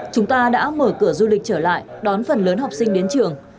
chúng ta đã mở cửa du lịch trở lại đón phần lớn học sinh đến trường